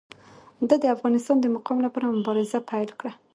ده د افغانستان د مقام لپاره مبارزه پیل کړه.